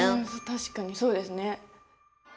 確かにそうですね。